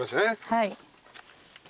はい。